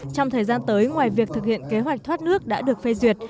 trong thời gian tới ngoài việc thực hiện kế hoạch thoát nước đã được phê duyệt